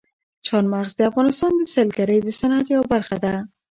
چار مغز د افغانستان د سیلګرۍ د صنعت یوه برخه ده.